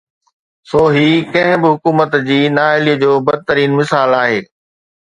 سو هي ڪنهن به حڪومت جي نااهلي جو بدترين مثال آهي.